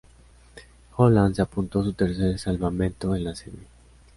Holland se apuntó su tercer salvamento en la serie.